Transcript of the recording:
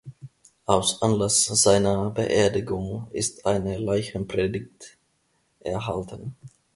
Aus Anlass seiner Beerdigung ist eine Leichenpredigt erhalten.